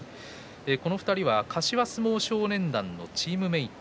この２人は柏相撲少年団のチームメート。